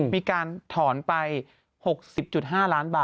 มีการถอนไป๖๐๕ล้านบาท